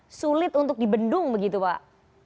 sulit untuk dibendung begitu pak